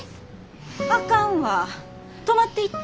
あかんわ泊まっていって。